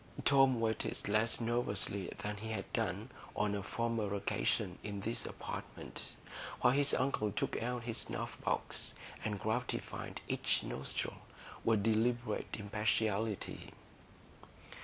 Tom waited less nervously than he had done on a former occasion in this apartment, while his uncle took out his snuff box and gratified each nostril with deliberate impartiality.